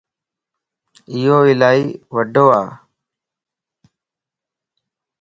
ايو الائي وڊو ا